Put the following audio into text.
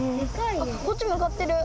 こっち向かってる。